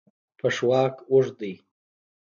پښواک اوږد دی.